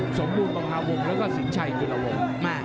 สมบูรณ์ประมาณวงศ์แล้วก็สิงห์ชัยกีฬวงศ์